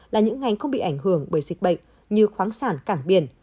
là những ngành không bị ảnh hưởng bởi dịch bệnh như khoáng sản cảng biển